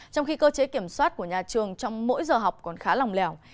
trong khi cơ chế kiểm soát của nhà trường trong mỗi giờ học còn khá lòng lèo